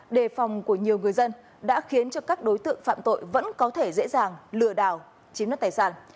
đề phòng của nhiều người dân đã khiến cho các đối tượng phạm tội vẫn có thể dễ dàng lừa đảo chiếm đất tài sản